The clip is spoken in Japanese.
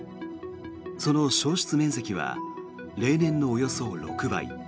その焼失面積は例年のおよそ６倍。